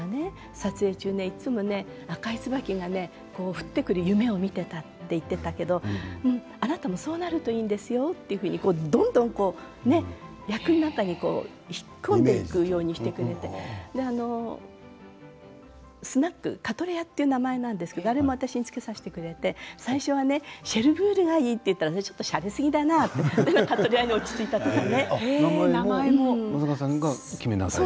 撮影中にいつも、赤い椿が降ってくる夢をみていたと言っていたけれどもあなたもそうなるといいんですよってどんどん役の中に引き込んでいくようにしてくれてスナックカトレアという名前なんですけれどもあれも私につけさせてくれて最初はシェルブールがいいと言ったらしゃれすぎだなと名前も決めなさいと。